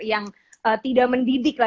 yang tidak mendidik lah